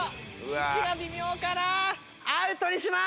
位置が微妙かなアウトにします。